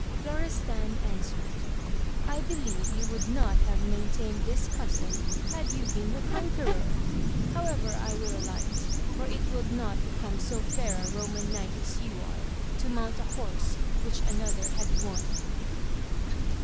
Florestan answered, I believe you would not have maintained this custom had you been the conqueror ! however I will alight, for it would not become so fair a Eoman knight as you are to mount a horse which another had won.